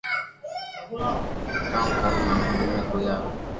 ھي ڪاوُ ڪرو مني ھمج ۾ ڪوئي آوي